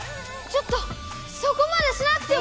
ちょっとそこまでしなくても！